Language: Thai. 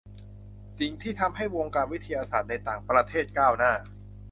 สิ่งที่ทำให้วงการวิทยาศาสตร์ในต่างประเทศก้าวหน้า